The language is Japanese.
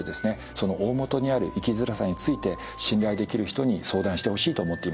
その大本にある生きづらさについて信頼できる人に相談してほしいと思っています。